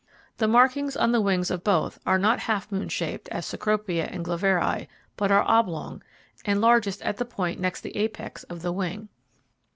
The markings on the wings of both are not half moon shaped, as Cecropia and Gloveri, but are oblong, and largest at the point next the apex of the wing.